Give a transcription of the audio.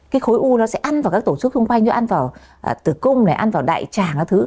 cái khối u nó sẽ ăn vào các tổ chức xung quanh như ăn vào tử cung này ăn vào đại tràng các thứ